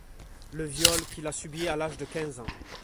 Le viol qu’il a subi à l’âge de quinze ans.